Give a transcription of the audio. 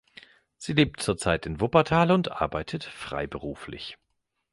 Sie lebt zurzeit in Wuppertal und arbeitet freiberuflich.